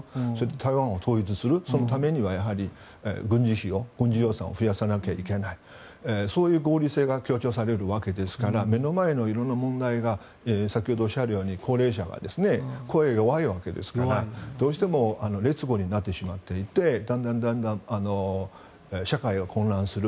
台湾を統一するためには軍事予算を増やさなきゃいけないそういう合理性が強調されるわけですから目の前の色んな問題が先ほどおっしゃるように高齢者は声が弱いわけですからどうしても劣後になってしまっていてだんだん社会は混乱する。